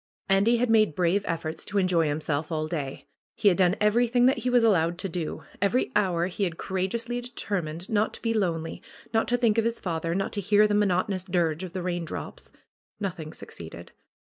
Andy had made brave efforts to enjoy himself all day. He had done everything that he was allowed to do. Every hour he had courageously determined not to be lonely, not to think of his father, not to hear the monoto nous dirge of the raindrops. Nothing succeeded.